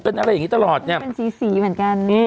เป็นอะไรอย่างนี้ตลอดเนี่ยเป็นสีสีเหมือนกัน